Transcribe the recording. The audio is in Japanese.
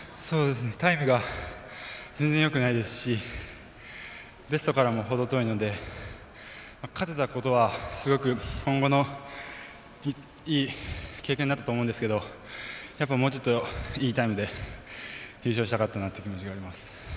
タイムが全然よくないですしベストからも程遠いので勝てたことはすごく今後にいい経験になったと思うんですけどやっぱり、もうちょっといいタイムで優勝したかったなっていう気持ちがあります。